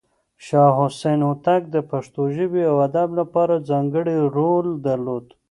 شاه حسين هوتک د پښتو ژبې او ادب لپاره ځانګړی رول درلود.